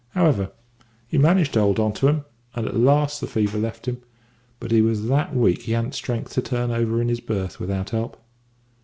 However, he managed to hold on to 'em, and at last the fever left him; but he was that weak he hadn't strength to turn over in his berth without help.